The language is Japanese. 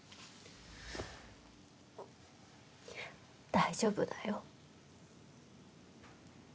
大丈夫だよ。